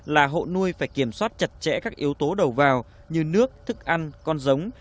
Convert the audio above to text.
là hộ nuôi phải kiểm soát chặt chẽ các yếu tố đầu vào như nước thức ăn con giống